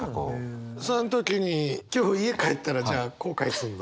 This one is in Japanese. その時に今日家帰ったらじゃあ後悔すんの？